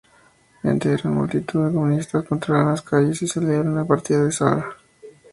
En Teherán multitud de comunistas controlaban las calles y celebraban la partida del shah.